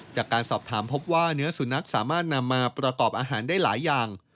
จากการสอบถามพบว่าเนื้อสุนัขสามารถนำมาประกอบอาหารได้หลายอย่าง